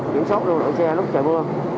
chỉnh sót luôn đội xe lúc trời mưa